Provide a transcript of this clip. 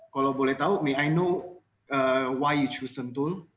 kalau boleh tahu i know why you choose sentul